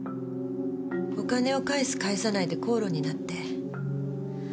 お金を返す返さないで口論になって。